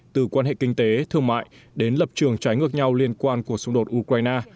từ quan hệ kinh tế thương mại đến lập trường trái ngược nhau liên quan của xung đột ukraine